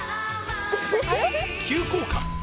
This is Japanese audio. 急降下。